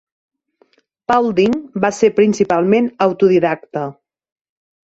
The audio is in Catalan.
Paulding va ser principalment autodidacta.